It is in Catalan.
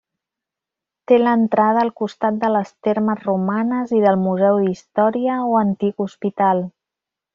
Té l'entrada al costat de les Termes Romanes i del Museu d'Història o Antic Hospital.